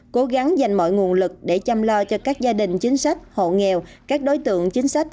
cố gắng dành mọi nguồn lực để chăm lo cho các gia đình chính sách hộ nghèo các đối tượng chính sách